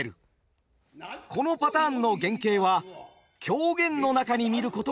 このパターンの原型は狂言の中に見ることができます。